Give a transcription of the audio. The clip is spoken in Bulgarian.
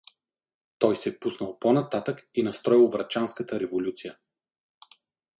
Той се пуснал по-нататък и настроил врачанската революц.